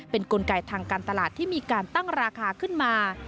เป็นกลไกทางการตลาดที่มีการตั้งราคาขึ้นมา